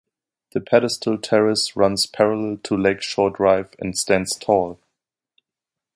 The pedestal terrace runs parallel to Lake Shore Drive and stands tall.